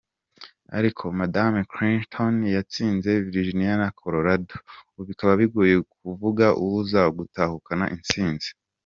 Ariko madame Clintion yatsinze Virginia na Colorado, ubu bikaba bigoye kuvuga uwuza gutahukana intsinzi.